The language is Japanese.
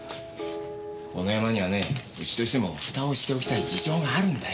このヤマにはねうちとしてもふたをしておきたい事情があるんだよ。